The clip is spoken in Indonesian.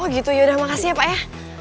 oh gitu yaudah makasih ya pak ya